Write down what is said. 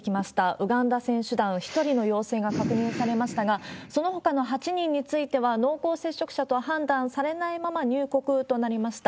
ウガンダ選手団、１人の陽性が確認されましたが、そのほかの８人については、濃厚接触者と判断されないまま入国となりました。